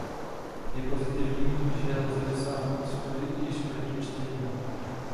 Je pozitivní, že lze dosáhnout shody již v prvním čtení.